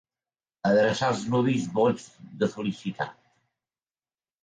Adreçar als nuvis vots de felicitat.